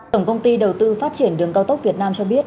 tổng công ty đầu tư phát triển đường cao tốc việt nam cho biết